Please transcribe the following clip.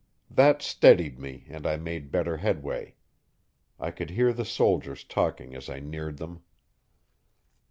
That steadied me and I made better headway. I could hear the soldiers talking as I neared them.